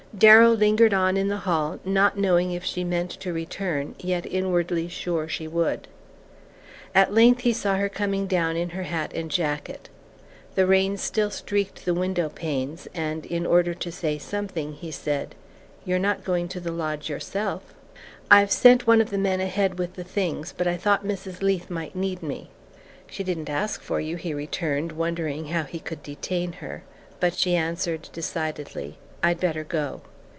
Darrow lingered on in the hall, not knowing if she meant to return, yet inwardly sure she would. At length he saw her coming down in her hat and jacket. The rain still streaked the window panes, and, in order to say something, he said: "You're not going to the lodge yourself?" "I've sent one of the men ahead with the things; but I thought Mrs. Leath might need me." "She didn't ask for you," he returned, wondering how he could detain her; but she answered decidedly: "I'd better go."